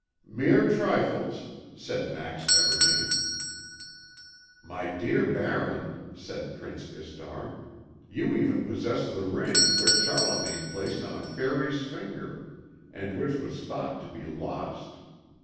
"Mere trifles," said Max Everdingen. "My dear Baron," said Prince Istar, "you even possess the ring which Charlemagne placed on a fairy's finger and which was thought to be lost.